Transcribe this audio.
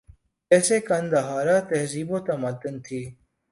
جیسے قندھارا تہذیب و تمدن تھی